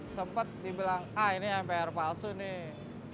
sempat dibilang ah ini mpr palsu nih